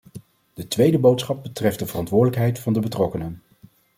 De tweede boodschap betreft de verantwoordelijkheid van de betrokkenen.